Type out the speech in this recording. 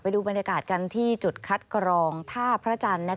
ดูบรรยากาศกันที่จุดคัดกรองท่าพระจันทร์